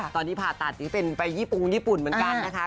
ตอนนี้ผ่าตัดนี่เป็นไปญี่ปุงญี่ปุ่นเหมือนกันนะคะ